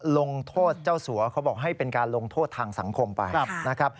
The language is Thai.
ลงโทษเจ้าสัวเขาบอกให้เป็นการลงโทษทางสังคมไปนะครับ